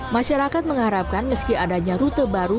masyarakat mengharapkan meski adanya rute baru